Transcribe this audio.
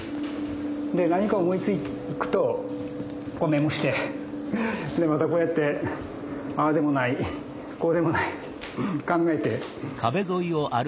何か思いつくとメモしてまたこうやってああでもないこうでもない考えて。